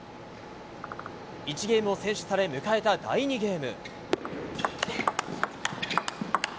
１ゲームを先取され迎えた第２ゲーム。